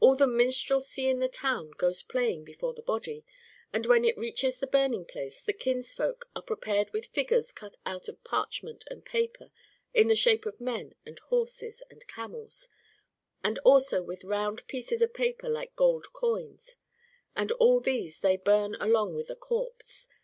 All the minstrelsy in the town goes playing before the body ; and when it reaches the burning place the kinsfolk are prepared with figures cut out of parch ment and paper in the shape of men and horses and camels, and also with round pieces of paper like gold coins, and all these they burn along w^th the corpse.